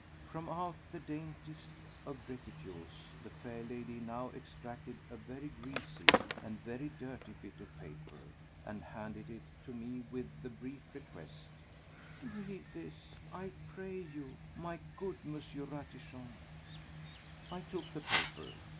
From out the daintiest of reticules the fair lady now extracted a very greasy and very dirty bit of paper, and handed it to me with the brief request: "Read this, I pray you, my good M. Ratichon." I took the paper.